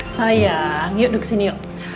sayang yuk di sini yuk